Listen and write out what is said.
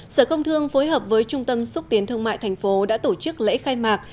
sở công thương phối hợp với trung tâm xúc tiến thương mại thành phố đã tổ chức lễ khai mạc